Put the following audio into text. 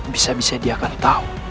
bisa bisa dia akan tahu